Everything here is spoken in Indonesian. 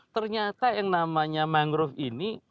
ternyata yang namanya mangrove ini